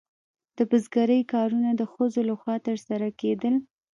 د بزګرۍ کارونه د ښځو لخوا ترسره کیدل.